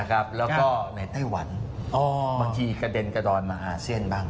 แล้วก็ในไต้หวันบางทีกระเด็นกระดอนมาอาเซียนบ้าง